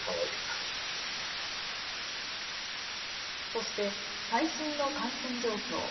そして最新の感染状況。